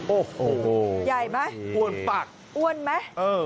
โอ้โหใหญ่ไหมอ้วนปากอ้วนไหม